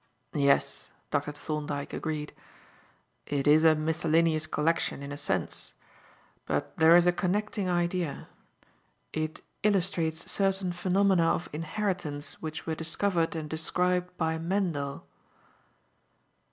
"Yes," Dr. Thorndyke agreed, "it is a miscellaneous collection in a sense. But there is a connecting idea. It illustrates certain phenomena of inheritance which were discovered and described by Mendel."